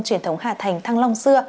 truyền thống hà thành thăng long xưa